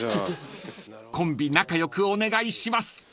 ［コンビ仲良くお願いします］